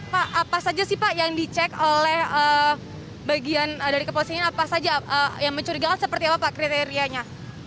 pak apa saja sih pak yang dicek oleh bagian dari kepolisian apa saja yang mencurigakan seperti apa pak kriterianya